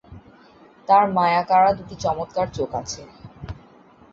তার মায়া-কাড়া দুটি চমৎকার চোখ আছে।